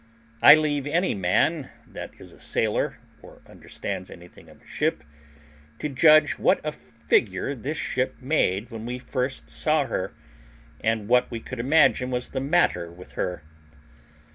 I leave any man that is a sailor, or understands anything of a ship, to judge what a figure this ship made when we first saw her, and what we could imagine was the matter with her.